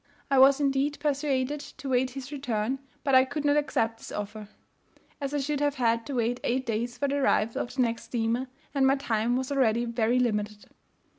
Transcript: I was, indeed, persuaded to wait his return, but I could not accept this offer, as I should have had to wait eight days for the arrival of the next steamer, and my time was already very limited.